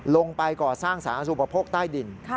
ลงไปก่อสร้างสารอสูตรประโปรกใต้ดิน